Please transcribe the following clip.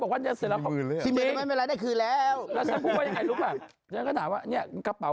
ผมขออนุญาต์เดินทางกลับเลยฮะ